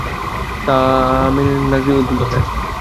তা মেনে না নিতে উদ্বুদ্ধ হলেন।